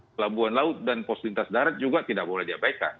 pelabuhan laut dan pos lintas darat juga tidak boleh diabaikan